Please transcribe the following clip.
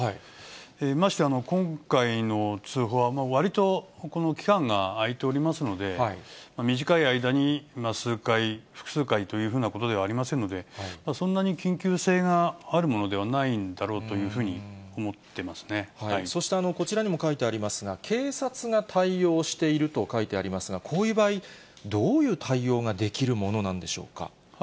まして今回の通報は、わりとこの期間があいておりますので、短い間に数回、複数回というふうなことではありませんので、そんなに緊急性があるものではないんだろうというふうに思ってまそしてこちらにも書いてありますが、警察が対応していると書いてありますが、こういう場合、どういう対応ができるものなんでしょうか。